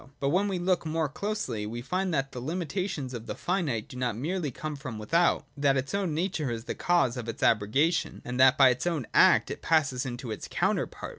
But when we look more closely, we find that the hmitations of the finite do not merely come from without ; that its own nature is the cause of its abrogation, and that by its own act it passes into its counterpart.